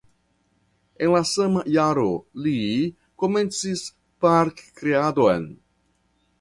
En la sama jaro li komencis parkkreadon.